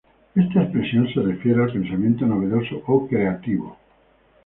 Esta expresión se refiere al pensamiento novedoso o creativo.